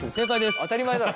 当たり前だろ。